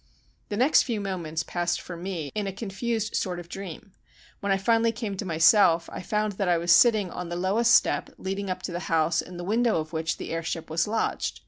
The next few moments passed for me in a confused sort of dream. When I finally came to myself I found that I was sitting on the lowest step leading up to the house in the window of which the airship was lodged.